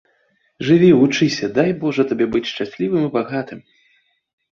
Жыві, вучыся, дай божа табе быць шчаслівым і багатым.